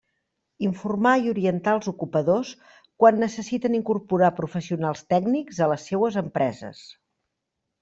Informar i orientar els ocupadors quan necessiten incorporar professionals tècnics a les seues empreses.